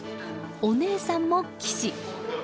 お姉さんも棋士。